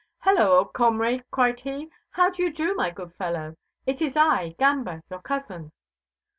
"Hello! old comrade," cried he. "How do you do, my good fellow? It is I, Gamba, your cousin."